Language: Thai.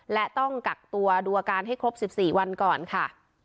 และต้องกักตัวดูอาการให้ครบ๑๔วันก่อนค่ะ